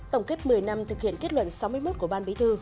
tổng kết một mươi năm thực hiện kết luận sáu mươi một của ban bí thư